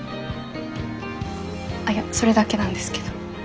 あっいやそれだけなんですけど。